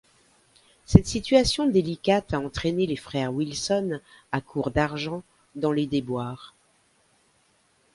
Cette situation délicate a entrainé les frères Wilson, à cours d'argent, dans les déboires.